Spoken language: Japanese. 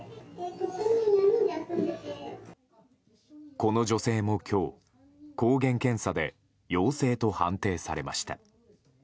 この女性も今日抗原検査で陽性と判定されました。